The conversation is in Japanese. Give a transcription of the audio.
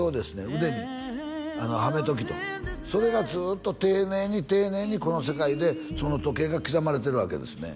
腕にはめときとそれがずっと丁寧に丁寧にこの世界でその時計が刻まれてるわけですね